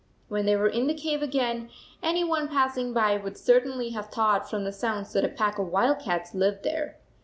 When they were in the cave again, any one passing by would certainly have thought from the sounds that a pack of wildcats lived there.